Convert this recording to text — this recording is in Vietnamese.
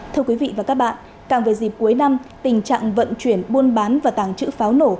thưa quý vị và các bạn càng về dịp cuối năm tình trạng vận chuyển buôn bán và tàng trữ pháo nổ